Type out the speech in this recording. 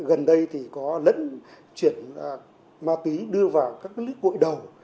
gần đây có lẫn chuyển ma túy đưa vào các lưỡi cội đầu